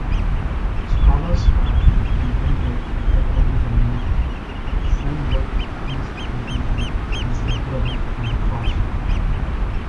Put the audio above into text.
Scholars have contended that only the name "Cyneburh" is definitely decipherable on the cross.